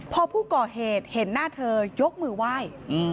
พอผู้ก่อเหตุเห็นหน้าเธอยกมือไหว้